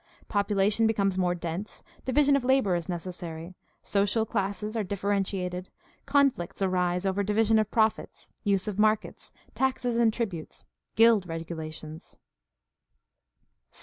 Popu lation becomes more dense; division of labor is necessary; social classes are differentiated; conflicts arise over divi sion of profits, use of markets, taxes and tributes, guild regulations.